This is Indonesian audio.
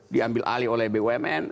diambil alih oleh bumn